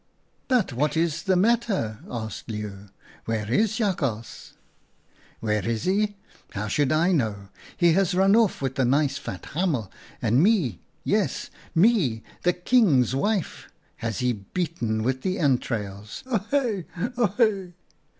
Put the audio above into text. "' But what is the matter?' asked Leeuw. 'Where is Jakhals?' "* Where is he ? How should I know ? He has run off with the nice fat hamel, and me — yes, me, the King's wife — has he beaten with the entrails